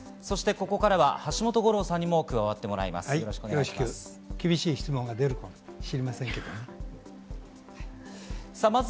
ここからは橋本五郎さんにも加わっていただきます。